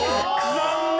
残念。